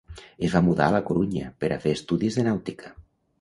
Es va mudar a La Corunya per a fer estudis de nàutica.